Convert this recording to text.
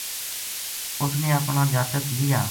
اس نے اپنا جاتک لیا